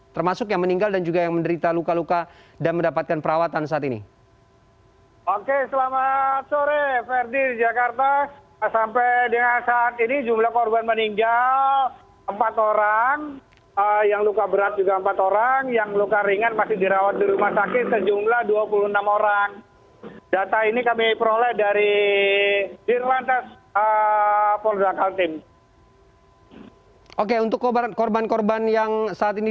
termasuk yang meninggal dan juga yang menderita luka luka dan mendapatkan perawatan saat ini